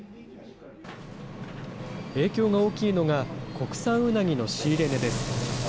影響が大きいのが、国産うなぎの仕入れ値です。